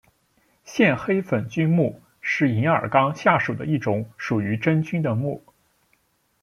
线黑粉菌目是银耳纲下属的一种属于真菌的目。